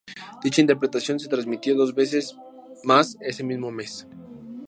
Dicha interpretación se retransmitió dos veces mas ese mismo mes.